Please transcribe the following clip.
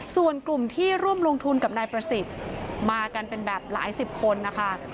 ส่วนกลุ่มที่ร่วมลงทุนกับนายประสิทธิ์มากันเป็นแบบหลายสิบคนนะคะ